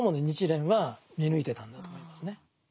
日蓮は見抜いてたんだと思いますね。